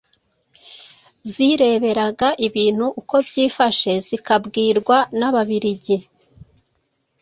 Zireberaga ibintu uko byifashe, zikabwirwa n'Ababiligi,